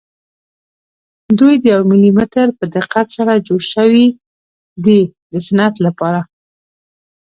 دوی د یو ملي متر په دقت سره جوړ شوي دي د صنعت لپاره.